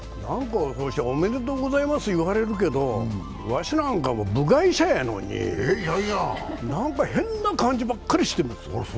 おめでとうございますって言われるけどわしなんか、部外者なのになんか変な感じばっかりしてます。